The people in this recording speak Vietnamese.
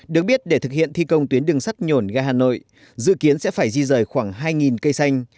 được biết để thực hiện thi công tuyến đường sắt nhổn ga hà nội dự kiến sẽ phải di rời khoảng hai cây xanh